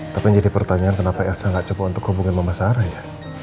tapi jadi pertanyaan kenapa elsa gak cepet untuk hubungin mama sarah ya